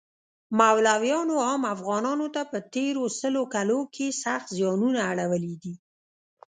مولایانو عام افغانانو ته په تیرو سلو کلو کښی سخت ځیانونه اړولی دی